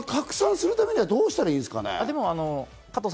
拡散するためにはどうしたらいいですかね？